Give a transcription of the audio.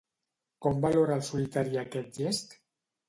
Com valora el solitari aquest gest?